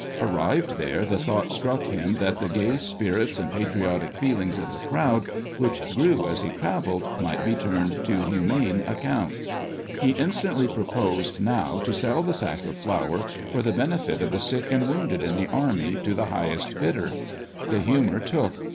Arrived there, the thought struck him that the gay spirits and patriotic feelings of the crowd, which grew as he travelled, might be turned to humane account. He instantly proposed now to sell the sack of flour, for the benefit of the sick and wounded in the army, to the highest bidder. The humour took.